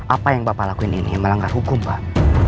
apa yang bapak lakuin ini melanggar hukum pak